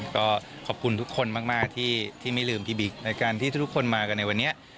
ก็ขอบคุณทุกคนมากที่ไม่ลืมพี่บิ๊กในการที่ทุกคนมากันในวันนี้